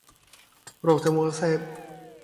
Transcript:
โรคจมูกอักเสบ